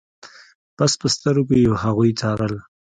بس په سترګو يې هغوی څارل.